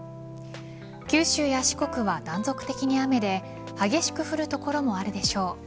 九州や四国は断続的に雨で激しく降る所もあるでしょう。